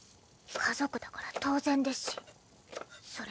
家族だから当然ですし。